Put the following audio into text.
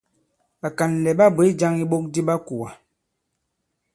Ɓàkànlɛ̀ ɓa bwě jāŋ iɓok di ɓa kùà.